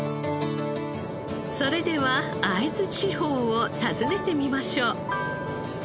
それでは会津地方を訪ねてみましょう。